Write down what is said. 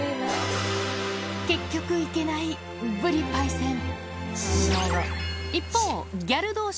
結局行けないぶりパイセン。